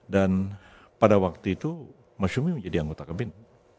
dan pada waktu itu masyumi menjadi anggota kbin